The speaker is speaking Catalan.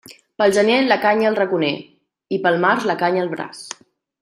Pel gener la canya al raconer i pel març la canya al braç.